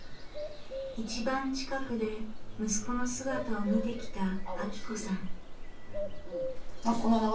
一番近くで息子の姿を見てきた晃子さん。